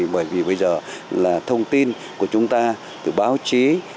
bởi vì bây giờ là thông tin của chúng ta từ báo chí